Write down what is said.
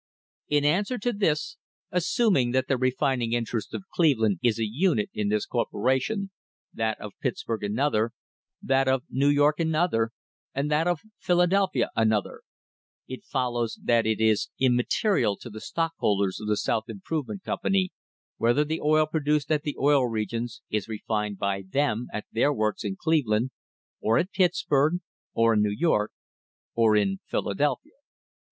In answer to this — assuming that the refining interest of Cleveland is a unit in THE OIL WAR OF 1872 this corporation, that of Pittsburg another, that of New York another, and that of Philadelphia another — it follows that it is immaterial to the stockholders of the "South Improvement Company" whether the oil produced at the Oil Regions is refined by them at their works in Cleveland, or at Pittsburg, or in New York, or in Philadelphia.